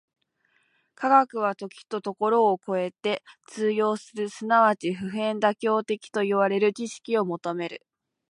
科学は時と処を超えて通用する即ち普遍妥当的といわれる知識を求める。